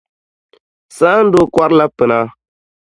Sandoo kɔrila pina.